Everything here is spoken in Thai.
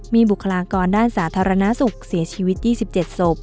มีบุคลากรด้านสาธารณสุขเสียชีวิต๒๗ศพ